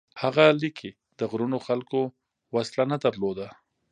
هغه لیکي: د غرونو خلکو وسله نه درلوده،